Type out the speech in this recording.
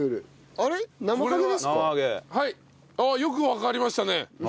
ああよくわかりましたね。